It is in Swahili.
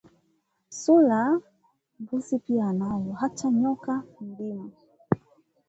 Sura mbuzi pia anayo, hata nyoka mdimu